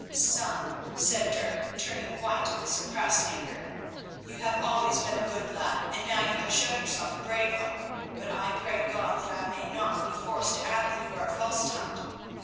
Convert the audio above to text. "Son," said Dirk, turning white with suppressed anger, "you have always been a good lad, and now you have shown yourself a brave one, but I pray God that I may not be forced to add that you are false tongued.